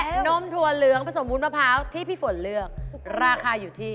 นมถั่วเหลืองผสมบูรณมะพร้าวที่พี่ฝนเลือกราคาอยู่ที่